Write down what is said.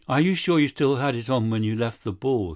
"You're sure you had it on when you left the ball?"